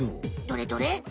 どれどれ？